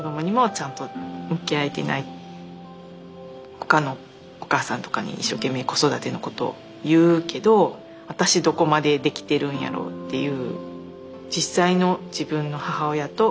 他のお母さんとかに一生懸命子育てのことを言うけど私どこまでできてるんやろうっていう。